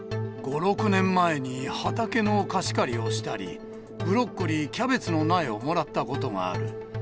５、６年前に、畑の貸し借りをしたり、ブロッコリー、キャベツの苗をもらったことがある。